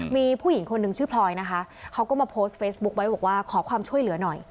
มีผู้หญิงคนหนึ่งชื่อพลอยนะคะเขาก็มาโพสต์เฟซบุ๊คไว้บอกว่าขอความช่วยเหลือหน่อย